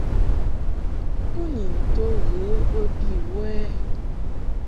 U ni nto ghə bə bi wə ?